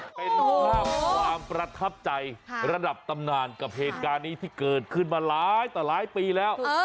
เป็นภาพความประทับใจระดับตำนานกับเหตุการณ์นี้ที่เกิดขึ้นมาหลายต่อหลายปีแล้ว